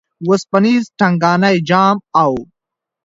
وسپنیز ټنګانی جام او